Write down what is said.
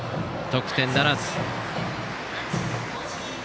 得点ならず。